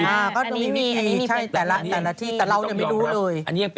ใช่แต่ละแต่ละที่แต่เรายังไม่รู้เลย